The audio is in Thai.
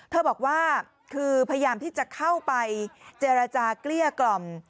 เธอบอกว่าคือพยายามที่จะเข้าไปเจรจาเกลี้ยกล่อม